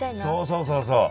そうそうそうそう。